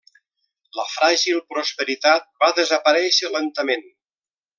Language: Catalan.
La fràgil prosperitat va desaparèixer lentament.